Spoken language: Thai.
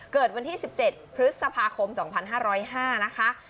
เกิดวันที่๑๗พฤษภาคม๒๕๐๕นะคะ